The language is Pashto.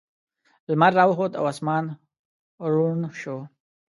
لمر راوخوت او اسمان روڼ شو.